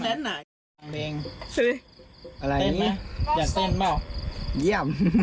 เพื่อนของน้องเต้อีกคนนึงค่ะ